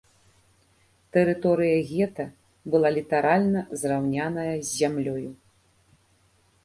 Тэрыторыя гета была літаральна зраўняная з зямлёю.